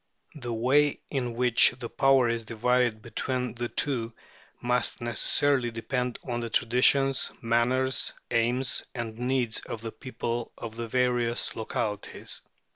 The way in which the power is divided between the two must necessarily depend on the traditions, manners, aims, and needs of the people of the various localities.